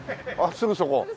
すぐそこ。